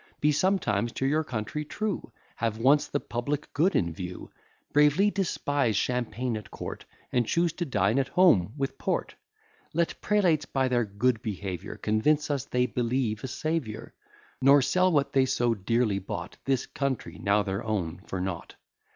Be sometimes to your country true, Have once the public good in view: Bravely despise champagne at court, And choose to dine at home with port: Let prelates, by their good behaviour, Convince us they believe a Saviour; Nor sell what they so dearly bought, This country, now their own, for nought.